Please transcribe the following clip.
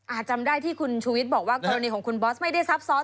จำได้ที่คุณชูวิทย์บอกว่ากรณีของคุณบอสไม่ได้ซับซ้อน